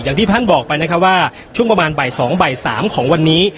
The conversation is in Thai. อย่างที่ท่านบอกไปนะครับว่าช่วงประมาณบ่าย๒บ่าย๓ของวันนี้